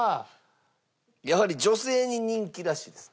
やはり女性に人気らしいです